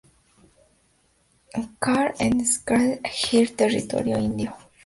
Carr en Sacred Heart, Territorio Indio.